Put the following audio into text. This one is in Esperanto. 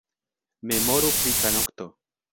Memoru pri tranokto.